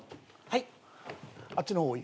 はい。